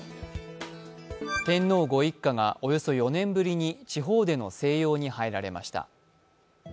天皇ご一家が、およそ４年ぶりに地方での静養に入られました。